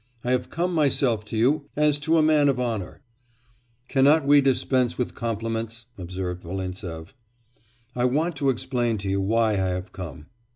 I have come myself to you, as to a man of honour.' 'Cannot we dispense with compliments?' observed Volintsev. 'I want to explain to you why I have come.